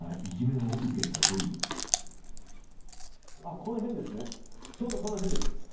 この辺ですね、ちょうどこの辺です。